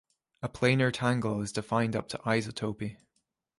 A planar tangle is defined up to isotopy.